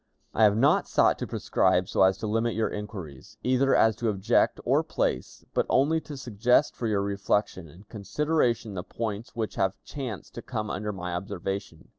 "I have not sought to prescribe so as to limit your inquiries, either as to object or place, but only to suggest for your reflection and consideration the points which have chanced to come under my observation.